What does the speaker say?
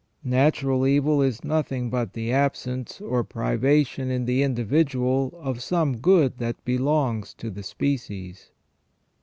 Natural evil is nothing but the absence or privation in the individual of some good that belongs to the species.